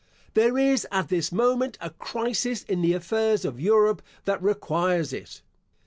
There is, at this moment, a crisis in the affairs of Europe that requires it.